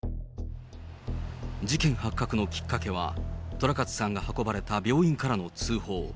事件発覚のきっかけは、寅勝さんが運ばれた病院からの通報。